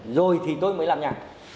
rồi thì tôi mới làm nhà